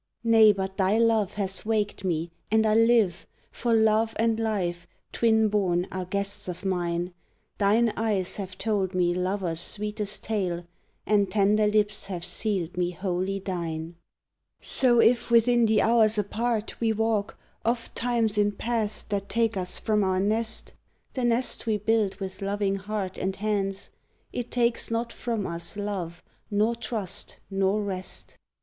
Nay, but thy Love has waked me, and I live! For love and life, twin born, are guests of mine, Thine eyes have told me lover's sweetest tale, And tender lips have sealed me wholly thine! So, if within the hours apart we walk Ofttimes in paths that take us from our nest The nest we built with loving heart and hands It takes not from us love nor trust nor rest!